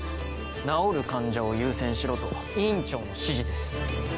治る患者を優先しろと院長の指示です。